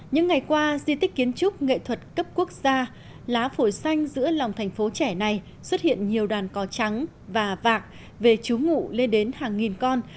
những ngày qua di tích kiến trúc nghệ thuật cấp quốc gia lá phổi xanh giữa lòng thành phố trẻ này xuất hiện nhiều đàn cò trắng và vạc về chú ngụ lên đến hàng nghìn con